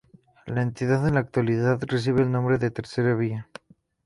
La entidad en la actualidad recibe el nombre a Tercera Vía.